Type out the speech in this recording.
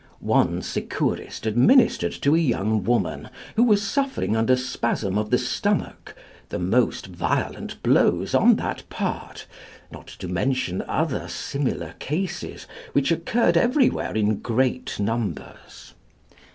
One Secourist administered to a young woman who was suffering under spasm of the stomach the most violent blows on that part, not to mention other similar cases which occurred everywhere in great numbers.